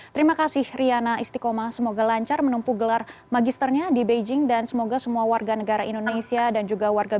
terima kasih riana istiqomah semoga lancar menempuh gelar magisternya di beijing dan semoga semua warga negara indonesia dan juga warga beijing aman